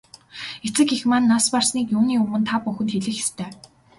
Эцэг эх маань нас барсныг юуны өмнө та бүхэнд хэлэх ёстой.